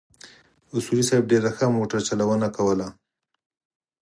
اصولي صیب ډېره ښه موټر چلونه کوله.